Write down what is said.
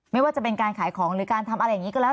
ไม่ว่าจะเป็นการขายของหรือการทำอะไรอย่างนี้ก็แล้ว